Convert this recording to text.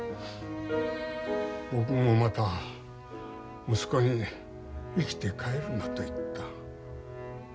僕もまた息子に生きて帰るなと言った。